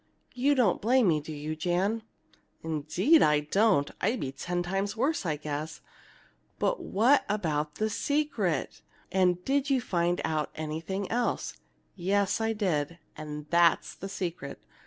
You don't blame me, do you, Jan?" "Indeed I don't! I'd be ten times worse, I guess. But what about the secret? And did you find out anything else?" "Yes, I did. And that's the secret.